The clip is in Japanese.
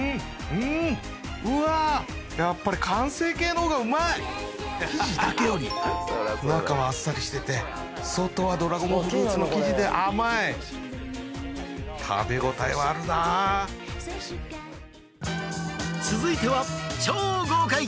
うーんうわーっ生地だけより中はあっさりしてて外はドラゴンフルーツの生地で甘い食べ応えはあるな続いては超豪快！